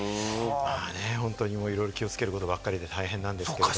本当に気をつけることばっかりで大変なんですけれども。